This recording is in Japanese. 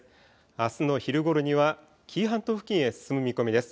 あすの昼ごろには紀伊半島付近へ進む見込みです。